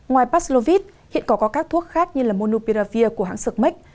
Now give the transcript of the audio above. ngoài paxlovit hiện có các thuốc khác như monopiravir của hãng sực mách